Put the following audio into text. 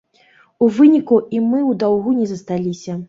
У выніку і мы ў даўгу не засталіся.